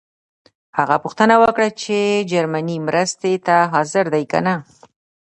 هغه پوښتنه وکړه چې جرمني مرستې ته حاضر دی کنه.